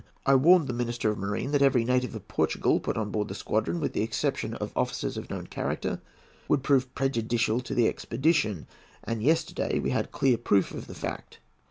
I warned the Minister of Marine that every native of Portugal put on board the squadron, with the exception of officers of known character, would prove prejudicial to the expedition, and yesterday we had clear proof of the fact.